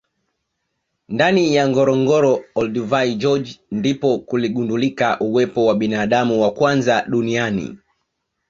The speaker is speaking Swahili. ndani ya ngorongoro Olduvai george ndipo kuligundulika uwepo wa binadamu wa kwanza duniani